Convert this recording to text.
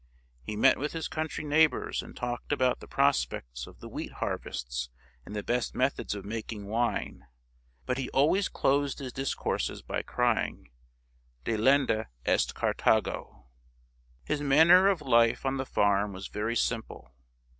He met with his country neighbors and talked about the prospects of the wheat harvests and the best methods of making wine ; but he always closed his discourses by crying, " Delenda est Carthago !" His manner of life on the farm was very simple.